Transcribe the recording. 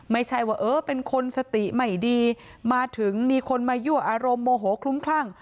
ไม่ใช่ว่าเออเป็นคนสติไม่ดีมาถึงมีคนมายั่วอารมณ์โมโหคลุ้มคลั่ง